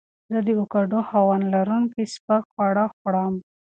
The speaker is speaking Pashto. زه د اوکاډو خوند لرونکي سپک خواړه خوړم.